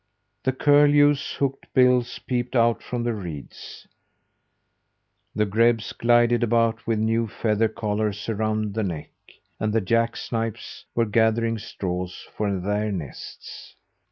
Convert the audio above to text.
The curlews' hooked bills peeped out from the reeds. The grebes glided about with new feather collars around the neck; and the jack snipes were gathering straws for their nests.